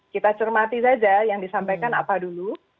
kita cermatis aja yang disampaikan apa dulu